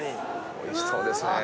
おいしそうですね。